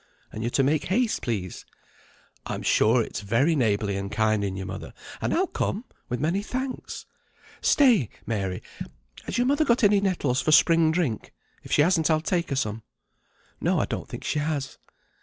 And you're to make haste, please." "I'm sure it's very neighbourly and kind in your mother, and I'll come, with many thanks. Stay, Mary, has your mother got any nettles for spring drink? If she hasn't I'll take her some." "No, I don't think she has."